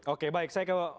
oke baik saya ke